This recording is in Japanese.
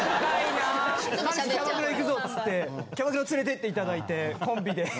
「キャバクラ行くぞ」っつってキャバクラ連れてって頂いてコンビで。